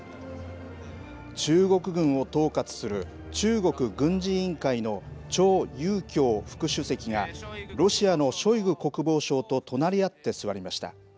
中国軍を統括する中国軍事委員会の張又侠副主席が、ロシアのショイグ国防相と隣り合って座りました。